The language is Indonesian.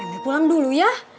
emik pulang dulu yah